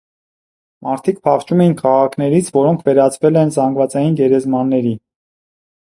Մարդիկ փախչում էին քաղաքներից, որոնք վերածվել են զանգվածային գերեզմանների։